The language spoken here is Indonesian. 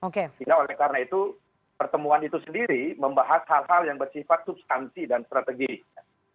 karena itu pertemuan itu sendiri membahas hal hal yang bersifat substansi dan strategis